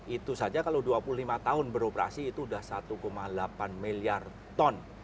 itu saja kalau dua puluh lima tahun beroperasi itu sudah satu delapan miliar ton